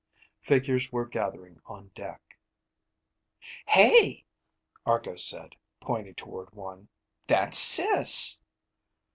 Figures were gathering on deck. "Hey," Argo said, pointing toward one. "That's Sis!"